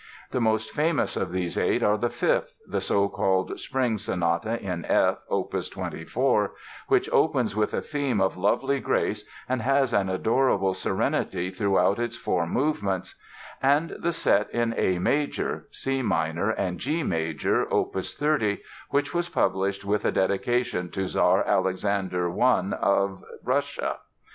The most famous of these eight are the fifth—the so called "Spring" Sonata in F, opus 24, which opens with a theme of lovely grace and has an adorable serenity throughout its four movements—and the set in A major, C minor, and G major, opus 30, which was published with a dedication to Czar Alexander I of Russia.